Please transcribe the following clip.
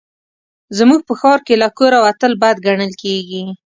زموږ په ښار کې له کوره وتل بد ګڼل کېږي